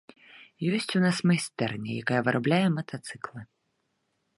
Ёсць у нас майстэрня, якая вырабляе матацыклы.